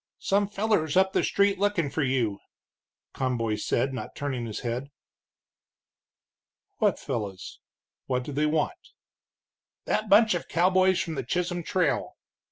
"Some fellers up the street lookin' for you," Conboy said, not turning his head. "What fellows? What do they want?" "That bunch of cowboys from the Chisholm Trail."